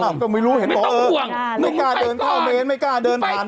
อ๋ออ่ะก็ไม่รู้ไม่ต้องห่วงไม่กล้าเดินเข้าเมนไม่กล้าเดินผ่านเมน